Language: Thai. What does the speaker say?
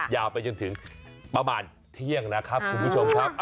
ยาวไปจนถึงประมาณเที่ยงนะครับคุณผู้ชมครับ